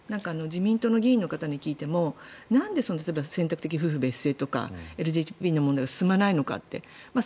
自民党の議員の方に聞いてもなんで選択的夫婦別姓とかＬＧＢＴの問題が進まないのかって